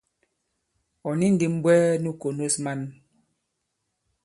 Ɔ̀ ni ndī m̀bwɛɛ nu kònos man.